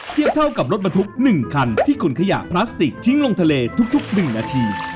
เทียบเท่ากับรถบรรทุก๑คันที่ขนขยะพลาสติกทิ้งลงทะเลทุก๑นาที